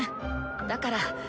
だから。